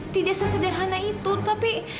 tidak sesederhana itu tapi